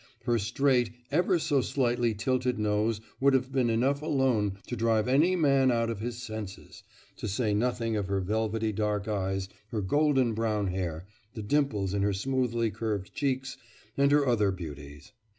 Her straight, ever so slightly tilted nose would have been enough alone to drive any man out of his senses, to say nothing of her velvety dark eyes, her golden brown hair, the dimples in her smoothly curved cheeks, and her other beauties.